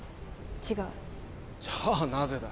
違うじゃあなぜだ？